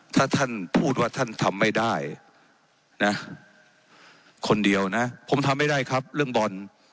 ถ้าท่านพูดว่าท่านทำไม่ได้นะคนเดียวนะผมทำไม่ได้ครับเรื่องบอล